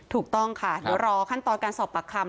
ถูกต้องค่ะเดี๋ยวรอขั้นตอนการสอบปากคำ